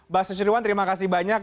mbak sushriwan terima kasih banyak